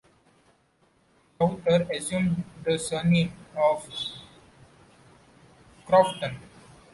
Lowther assumed the surname of Crofton.